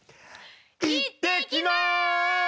行ってきます！